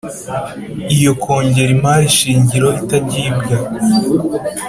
Iyo kongera imari shingiro itagibwa